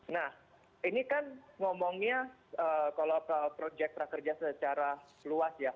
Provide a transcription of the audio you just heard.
nah ini kan ngomongnya kalau ke proyek prakerja secara luas ya